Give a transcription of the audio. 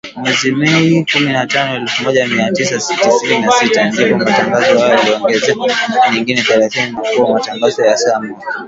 Mwezi Mei, kumi na tano elfu Moja Mia tisa tisini na sita , ndipo matangazo hayo yaliongezewa dakika nyingine thelathini na kuwa matangazo ya saa moja